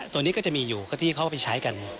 ตัวนี้ก็จะมีอยู่ก็ที่เขาไปใช้กัน